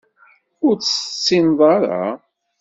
Ur tt-tessineḍ ara.